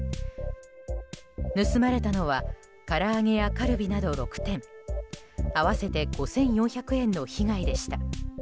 盗まれたのはから揚げやカルビなど６点合わせて５４００円の被害でした。